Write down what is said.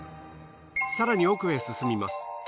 更に奥へ進みます。